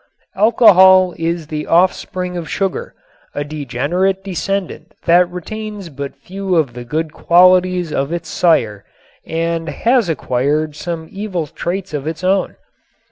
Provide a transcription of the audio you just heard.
Alcohol is the offspring of sugar, a degenerate descendant that retains but few of the good qualities of its sire and has acquired some evil traits of its own.